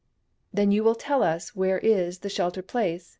" Then you will tell us where is the sheltered place